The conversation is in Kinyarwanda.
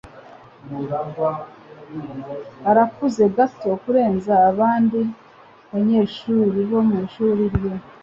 arakuze gato kurenza abandi banyeshuri bo mwishuri rye